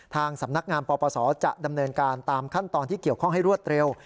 ทางสำนักงานปปศจะดำเนินการตามขั้นตอนที่เกี่ยวข้องให้รวดเร็ว